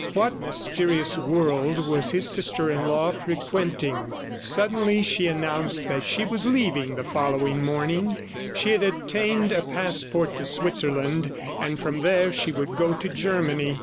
What mysterious world was his sister in law frequenting? ... Suddenly she announced that she was leaving the following morning; she had obtained a passport to Switzerland, and from there she would go to Germany.